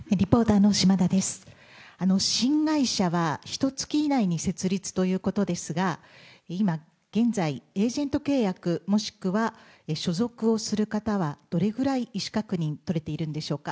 新会社はひとつき以内に設立ということですが、今現在、エージェント契約、もしくは所属をする方は、どれぐらい意思確認取れているんでしょうか。